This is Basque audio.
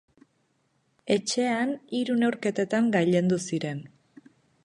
Etxean hiru neurketetan gailendu ziren.